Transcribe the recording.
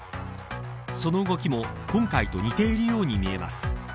その動きも今回と似ているように見えます。